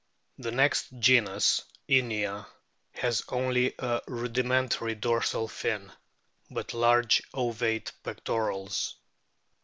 The next genus, INIA, has only a rudimentary dorsal fin, but large ovate pectorals.